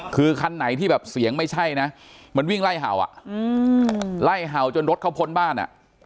คือคันไหนที่เสียงไม่ใช่มันวิ่งไล่เห่าไล่เห่าจนรถเข้าพ้นบ้าน